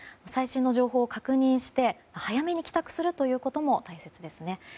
最新の情報を確認して早めに帰宅するということも大切ですね。